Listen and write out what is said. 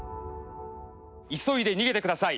急いで逃げてください！